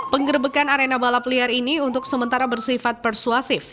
penggerbekan arena balap liar ini untuk sementara bersifat persuasif